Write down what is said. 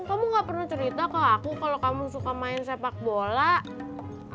kamu gak pernah cerita ke aku kalau kamu suka main sepak bola